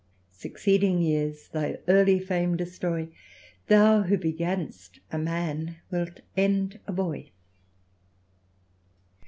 " Succeeding years thy early fame destroy ; Thou, who began*st a man, wilt end a boy."